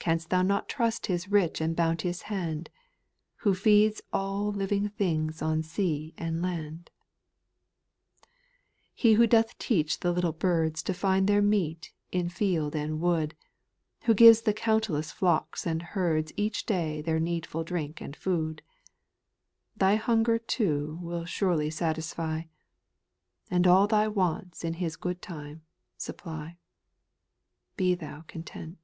Canst thou not trust His rich and bounteous hand, Who feeds all living things on sea and land ?/ 7. / He who doth teach the little birds To find their meat in field and wood, Who gives the countless flocks and herds Each day their needful drink and food, Thy hunger too will surely satisfy, And all thy wants in His good time supply. Be thou content.